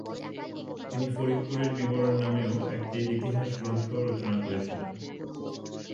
তিনি 'ফরিদপুরের বিবরণ' নামেও একটি ইতিহাস গ্রন্থ রচনা করেছিলেন।